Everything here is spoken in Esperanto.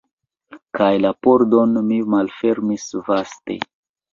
Kaj la pordon mi malfermis vaste.